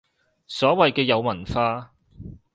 所謂嘅有文化